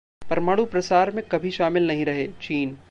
परमाणु प्रसार में कभी शामिल नहीं रहे: चीन